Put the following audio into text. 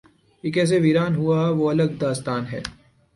یہ کیسے ویران ہوا وہ الگ داستان ہے۔